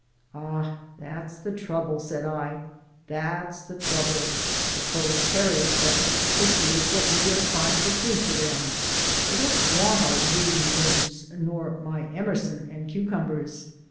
"Ah, that's the trouble," said I, "that's the trouble. The proletariat doesn't appreciate what we are trying to do for them! They don't want your reading rooms nor my Emerson and cucumbers.